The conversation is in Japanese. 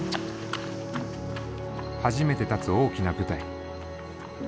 初めて立つ大きな舞台。